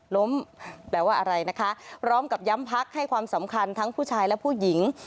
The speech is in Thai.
แปลว่าอะไรนะคะพร้อมกับย้ำพักให้ความสำคัญทั้งผู้ชายและผู้หญิง